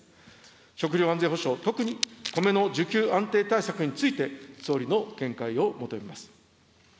食料安全保障、特に米の需給安定対策について、総理の見解を求めます。